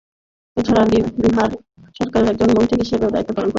এছাড়া, বিহার সরকারের একজন মন্ত্রী হিসেবেও দায়িত্ব পালন করেছেন তিনি।